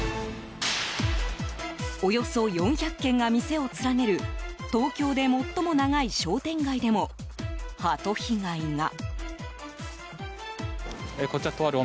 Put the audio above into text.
およそ４００軒が店を連ねる東京で最も長い商店街でもハト被害が。